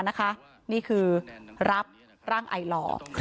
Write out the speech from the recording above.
นี่คือรับร่างไอหล่อ